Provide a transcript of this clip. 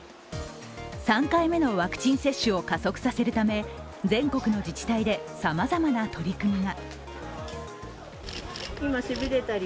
３回目のワクチン接種を加速させるため全国の自治体でさまざまな取り組みが。